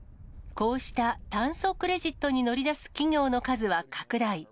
こうした炭素クレジットに乗り出す企業の数は拡大。